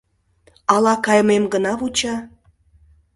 Ала кайымем гына вуча?